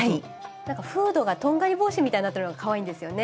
フードがとんがり帽子みたいになってるのがかわいいんですよね